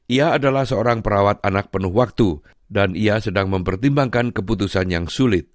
ia adalah seorang perawat anak penuh waktu dan ia sedang mempertimbangkan keputusan yang sulit